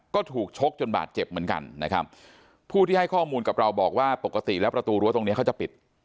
ก็ถูกชกจนบาดเจ็บเหมือนกันนะครับผู้ที่ให้ข้อมูลกับเราบอกว่าปกติแล้วประตูรั้วตรงเนี้ยเขาจะปิด